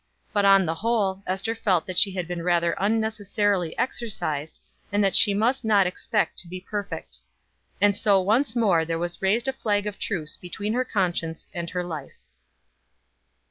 But, on the whole, Ester felt that she had been rather unnecessarily exercised, and that she must not expect to be perfect. And so once more there was raised a flag of truce between her conscience and her life.